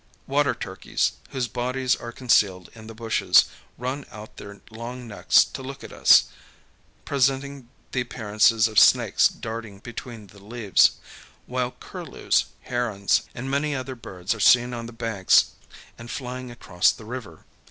Water turkeys, whose bodies are concealed in the bushes, run out their long necks to look at us, presenting the appearance of snakes darting from between the leaves; while curlews, herons, and many other birds are seen on the banks and flying across the river.